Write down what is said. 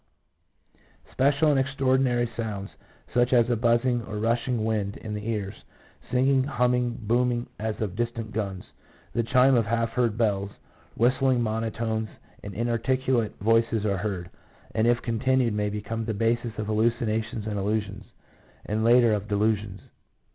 1 Special and extraordinary sounds, such as a buzzing or a rushing wind in the ears, 2 singing, humming, booming as of distant guns, the chime of half heard bells, 3 whistling monotones, and inarticu late voices are heard, and if continued may become the bases of hallucinations and illusions, and later of delusions.